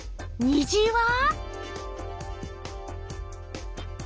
にじは？